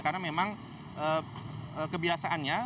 karena memang kebiasaannya